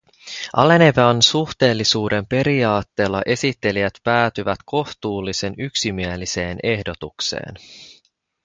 Alenevan suhteellisuuden periaatteella esittelijät päätyvät kohtuullisen yksimieliseen ehdotukseen.